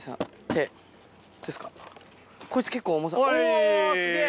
おすげぇ！